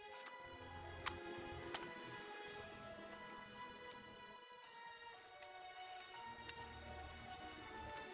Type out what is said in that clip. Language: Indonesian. kayaknya sisir sudah susah dibilangin ya